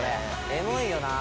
「エモいよな」